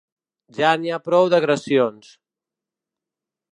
Ja n’hi ha prou d’agressions.